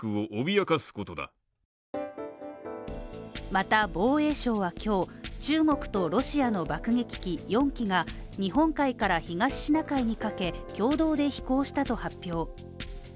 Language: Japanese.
また防衛省は今日、中国とロシアの爆撃機４機が日本海から東シナ海にかけ、共同で飛行したと発表。